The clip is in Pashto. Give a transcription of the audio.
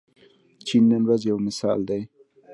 چین نن ورځ یو مثال دی.